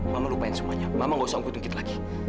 mama lupain semuanya mama nggak usah ngikutin kita lagi